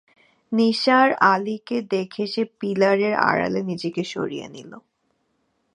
নিসার আলিকে দেখে সে পিলারের আড়ালে নিজেকে সরিয়ে নিল।